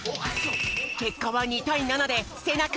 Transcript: けっかは２たい７でせなくんのかち！